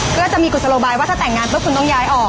ก็จะมีกุศโลบายว่าถ้าแต่งงานปุ๊บคุณต้องย้ายออก